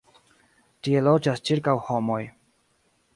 Tie loĝas ĉirkaŭ homoj.